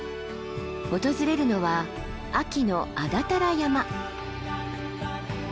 訪れるのは秋の安達太良山。